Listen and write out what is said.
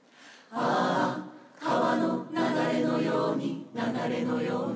「ああ川の流れのように流れのように」